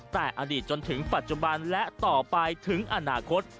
แต่อดีตจนถึงปัจจุบันและต่อไปถึงอนาคต